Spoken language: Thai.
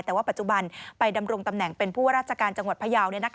แต่ว่าปัจจุบันไปดำรงตำแหน่งเป็นผู้ว่าราชการจังหวัดพยาว